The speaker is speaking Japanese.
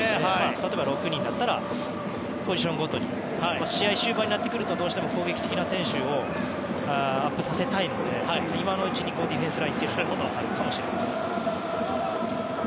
例えば６人だったらポジションごとにとか試合終盤になってくると攻撃的な選手をアップさせたいので今のうちにディフェンスラインでさせているのかもしれません。